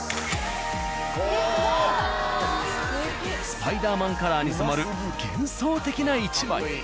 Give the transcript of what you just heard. スパイダーマンカラーに染まる幻想的な１枚。